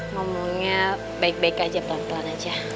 ngomongnya baik baik aja pelan pelan aja